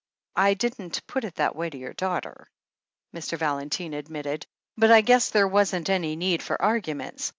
I didn't put it that way to your daughter," Mr. Valentine admitted, "but I guess there wasn't any need for arguments.